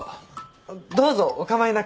どうぞお構いなく。